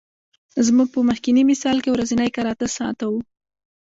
زموږ په مخکیني مثال کې ورځنی کار اته ساعته وو